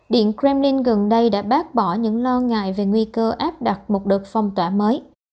điện kremlin gần đây đã bác bỏ những lo ngại về nguy cơ áp đặt một đợt phong tỏa mới